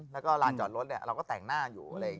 แล้วก็ร้านจอดรถเราก็แต่งหน้าอยู่